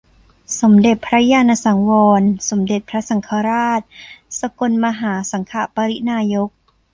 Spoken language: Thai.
สมเด็จพระญาณสังวร สมเด็จพระสังฆราช สกลมหาสังฆปริณานายก